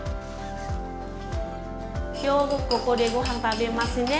今日はここでごはん食べますね。